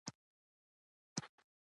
د تورمخو په تحریکولو تورن شو.